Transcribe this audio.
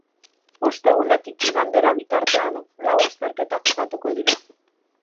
Ostegunetik igandera bitartean lau lasterketa jokatuko dira.